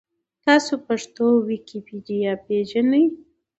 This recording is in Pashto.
تاسو پښتو ویکیپېډیا پېژنۍ؟